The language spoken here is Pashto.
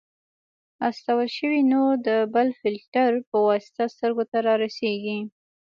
استول شوی نور د بل فلټر په واسطه سترګو ته رارسیږي.